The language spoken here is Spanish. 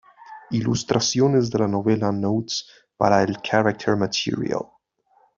Ilustraciones de la novela "Notes" para el "Character Material".